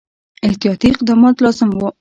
احتیاطي اقدامات لازم وه.